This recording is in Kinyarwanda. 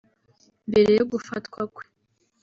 Mbere yo gufatwa kwe